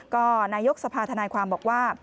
ก็นายกสภาธนายความบอกว่า